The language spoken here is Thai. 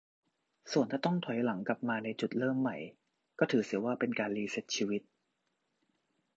ส่วนถ้าต้องถอยหลังกลับมาในจุดเริ่มใหม่ก็ถือเสียว่าเป็นการรีเซตชีวิต